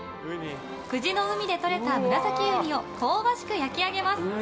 久慈の海でとれたムラサキウニを香ばしく焼き上げます。